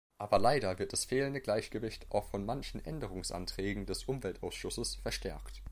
Aber leider wird das fehlende Gleichgewicht auch von manchen Änderungsanträgen des Umweltausschusses verstärkt.